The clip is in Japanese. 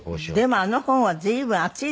でもあの本は随分厚いですよね。